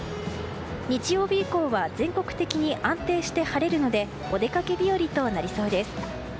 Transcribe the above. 日曜日以降は全国的に安定して晴れるのでお出かけ日和となりそうです。